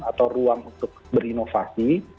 atau ruang untuk berinovasi